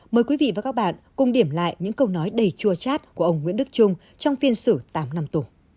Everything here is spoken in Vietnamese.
mời quý vị và các bạn cùng điểm lại những câu nói đầy chua chát của ông nguyễn đức trung trong phiên xử tám năm tù